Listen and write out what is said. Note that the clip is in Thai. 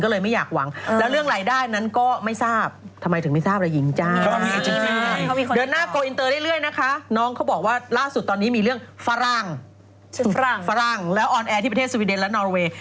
ฝรั่งแล้วออนแอร์ที่ประเทศสวีเดนและนอร์เวย์